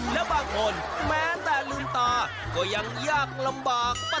และบางคนแม้แต่ลืมตาก็ยังยากลำบาก